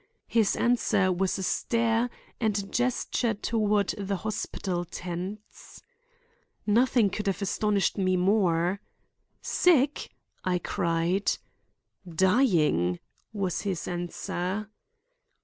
His answer was a stare and a gesture toward the hospital tents. Nothing could have astonished me more. "Sick?" I cried. "Dying," was his answer.